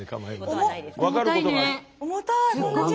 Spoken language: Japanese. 重たいね。